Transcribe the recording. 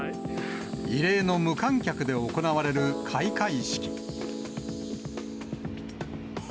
異例の無観客で行われる開会式。